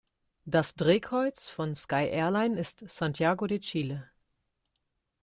Das Drehkreuz von Sky Airline ist Santiago de Chile.